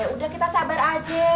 udah kita sabar aja